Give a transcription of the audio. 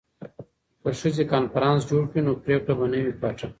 که ښځې کنفرانس جوړ کړي نو پریکړه به نه وي پټه.